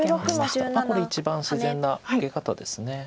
これ一番自然な受け方です。